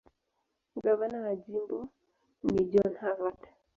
Gavana wa jimbo ni John Harvard.